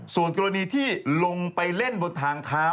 ส่วนกรณีที่ลงไปเล่นบนทางเท้า